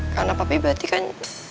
karena papi berarti kan